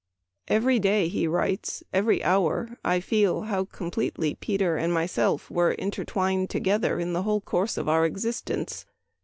" Every day," he writes, " every hour, I feel how completely Peter and myself were intertwined together in the whole course of our existence.